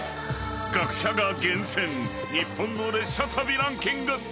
学者が厳選日本の列車旅ランキング。